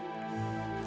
kamu memang cantik